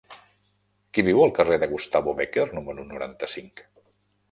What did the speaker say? Qui viu al carrer de Gustavo Bécquer número noranta-cinc?